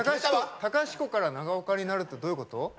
隆子から長岡になるってどういうこと？